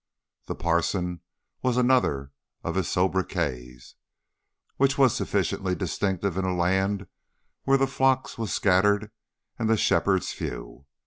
"The Parson" was another of his sobriquets, which was sufficiently distinctive in a land where the flock was scattered and the shepherds few.